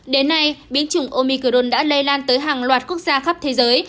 đến nay biến chủng omicron đã lây lan tới hàng loạt quốc gia khắp thế giới